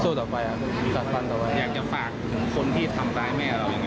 สู่ต่อไปครับตัวอย่างแก้ฝากถึงคนที่ทำร้ายแม่เราอย่าง